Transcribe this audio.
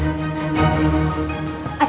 silakan pak komar